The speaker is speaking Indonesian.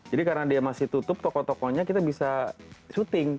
jadi karena dia masih tutup tokoh tokohnya kita bisa syuting